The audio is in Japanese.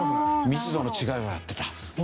密度の違いをやってた？